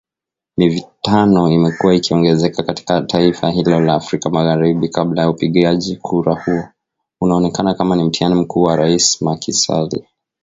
Mivutano imekuwa ikiongezeka katika taifa hilo la Afrika magharibi kabla ya upigaji kura huo, unaoonekana kama ni mtihani mkuu kwa Rais Macky Sall